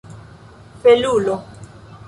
felulo